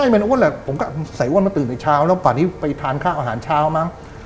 นั่งไอ้แมนโอ้นแหละผมก็ใส่อ้วนมาตื่นเช้าแล้วตอนนี้ไปทานข้าวอาหารเช้ามั้ง